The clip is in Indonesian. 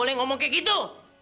lo itu gak boleh cek itu